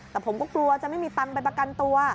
แต่ผมก็กลัวจะไม่มีตังค์ไปประกันตัว